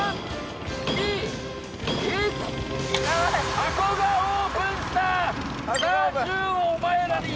箱がオープンした。